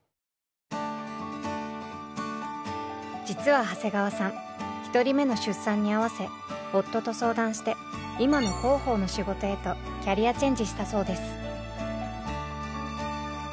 実は長谷川さん１人目の出産に合わせ夫と相談して今の広報の仕事へとキャリアチェンジしたそうです。